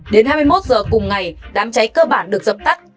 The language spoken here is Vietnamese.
đến hai mươi một h cùng ngày đám cháy cơ bản được dập tắt